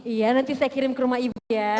iya nanti saya kirim ke rumah ibu ya